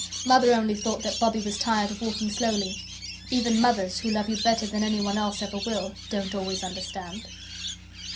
Mother only thought that Bobbie was tired of walking slowly. Even Mothers, who love you better than anyone else ever will, don't always understand.